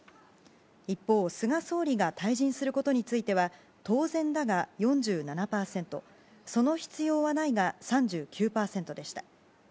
一方、菅総理が退陣することについては当然だが４７％、その必要はないが３９％でした。